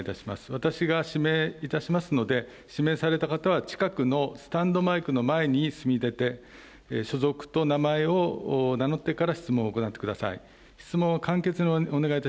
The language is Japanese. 私が指名いたしますので、指名された方は、近くのスタンドマイクの前に進みでて、所属と名前を名乗ってから質問を行ってください。